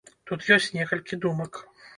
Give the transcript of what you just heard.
Тут ёсць некалькі думак.